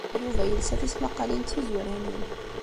Yuba yelsa tismaqqalin d tizuranin.